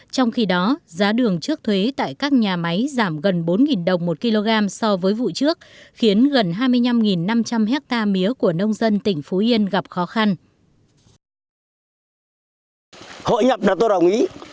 trong khi đó giá đường trước thuế tại các nhà máy giảm gần bốn đồng một kg so với vụ trước khiến gần hai mươi năm năm trăm linh hectare mía của nông dân tỉnh phú yên gặp khó khăn